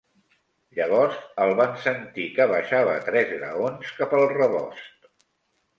Llavors el van sentir que baixava tres graons cap al rebost.